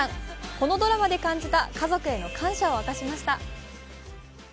このドラマで感じた家族への感謝を明かしました。